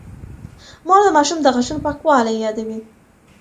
مور د ماشوم د غاښونو پاکوالی يادوي.